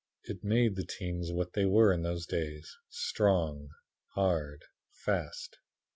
It made the teams what they were in those days strong, hard and fast.